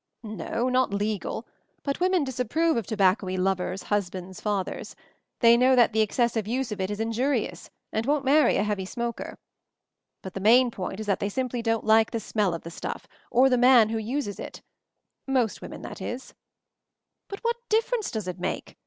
"No, not legal; but women disapprove of tobacco y lovers, husbands, fathers; they know that the excessive use of it is injurious, and won't marry a heavy smoker. But the main point is that they simply don't like the smell of the stuff, or of the man who uses it — most women, that is." "But what difference does it make?